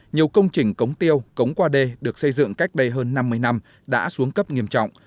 nhiều công trình cống tiêu cống qua đê được xây dựng cách đây hơn năm mươi năm đã xuống cấp nghiêm trọng